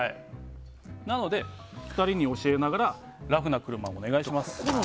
なので、２人に教えながらラフな車をお願いします。